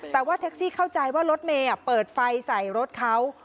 แต่ว่าแท็กซี่เข้าใจว่ารถเมย์เปิดไฟใส่รถเขา